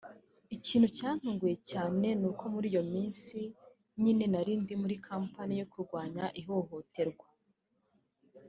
Ikintu cyantunguye cyane ni uko muri iyo minsi nyine narindi muri campaign yo kurwanya ihohoterwa